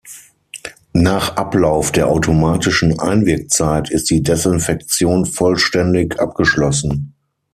Nach Ablauf der automatischen Einwirkzeit ist die Desinfektion vollständig abgeschlossen.